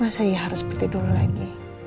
mas saya harus ber tidur lagi